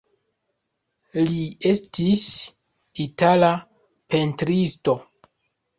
Li estis itala pentristo.